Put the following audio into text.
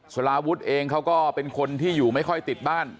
สลาวุฒิเองเขาก็เป็นคนที่อยู่ไม่ค่อยติดบ้าน